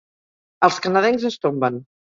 Els canadencs es tomben.